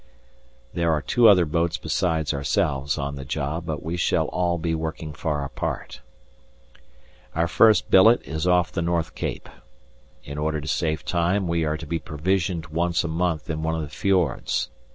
There are two other boats besides ourselves on the job, but we shall all be working far apart. Our first billet is off the North Cape. In order to save time, we are to be provisioned once a month in one of the fjords.